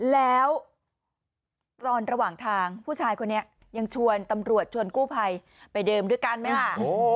แล้วตอนระหว่างทางผู้ชายคนนี้ยังชวนตำรวจชวนกู้ภัยไปเดิมด้วยกันไหมล่ะ